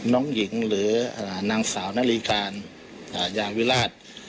น้องหญิงหรือนางสาวนาฬิการยางวิราช